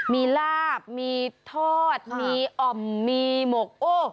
มีลาบมีทอดมีอ่อมมีหมกโอ้